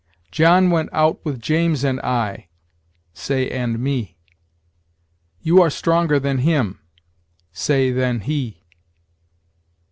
"John went out with James and I": say, and me. "You are stronger than him": say, than he.